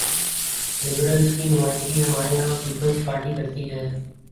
Liberals کی نمائندگی ہمارے ہاں پیپلز پارٹی کرتی ہے۔